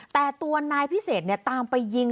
แต่ตัวนายพิเศษตามไปยิง